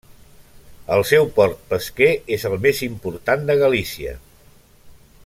El seu port pesquer és el més important de Galícia.